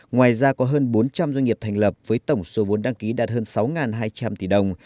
ngoài ra có hơn bốn trăm linh doanh nghiệp thành lập với tổng số vốn đăng ký đạt hơn sáu hai trăm linh tỷ đồng